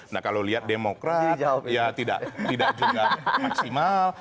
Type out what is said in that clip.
nah kalau lihat demokrat ya tidak juga maksimal